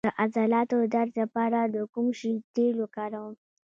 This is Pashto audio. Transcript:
د عضلاتو درد لپاره د کوم شي تېل وکاروم؟